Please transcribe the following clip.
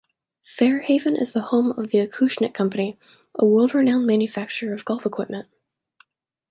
Fairhaven is the home of the Acushnet Company, a world-renowned manufacturer of golf equipment.